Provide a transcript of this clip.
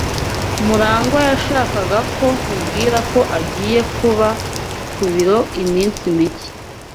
MuragwA yashakaga ko nkubwira ko agiye kuba ku biro iminsi mike.